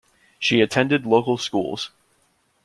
She attended local schools.